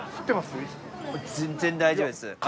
全然大丈夫です。